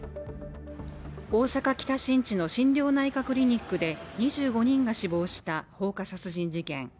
大阪・北新地の心療内科クリニックで２５人が死亡した放火殺人事件。